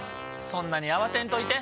そんなに慌てんといて。